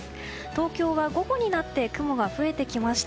東京は午後になって雲が増えてきました。